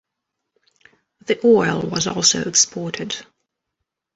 The oil was also exported.